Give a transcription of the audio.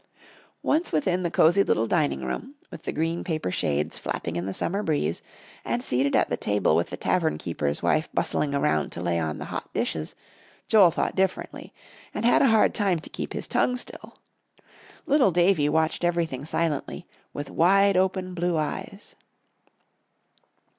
Once within the cosey little dining room, with the green paper shades flapping in the summer breeze, and seated at the table with the tavern keeper's wife bustling around to lay on the hot dishes, Joel thought differently, and had a hard time to keep his tongue still. Little Davie watched everything silently, with wide open blue eyes.